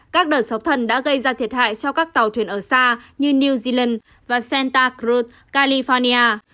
các đợt sóng thần đã gây ra thiệt hại cho các tàu thuyền ở xa như new zealand và centa cro california